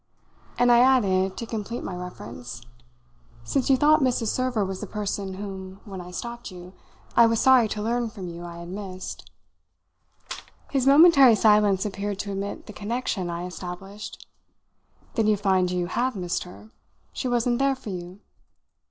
And I added, to complete my reference, "Since you thought Mrs. Server was the person whom, when I stopped you, I was sorry to learn from you I had missed." His momentary silence appeared to admit the connection I established. "Then you find you have missed her? She wasn't there for you?"